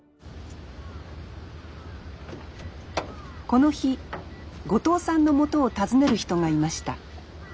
この日後藤さんのもとを訪ねる人がいました。